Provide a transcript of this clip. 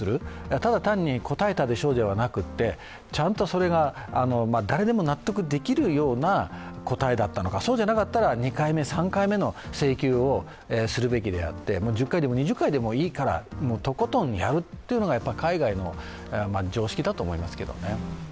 ただ単に答えたでしょうではなくてちゃんとそれが誰でも納得できるような答えだったのか、そうじゃなかったら２回目、３回目の請求をするべきであって、１０回でも２０回でもいいからとことんやるっていうのが海外の常識だと思いますけれどもね。